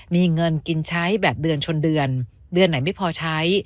มีเงินกินใช้แบบเดือนชนเดือนเดือนไหนไม่พอใช้